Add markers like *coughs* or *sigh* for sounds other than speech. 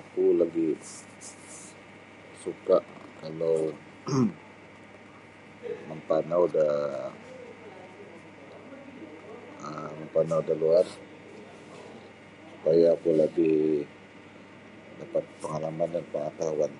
Oku lagi suka kalau *coughs* mempanau da um mempanau da luar supaya oku lebih dapat pangalaman dan pangatahuan.